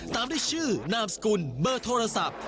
ตามด้วยชื่อนามสกุลเบอร์โทรศัพท์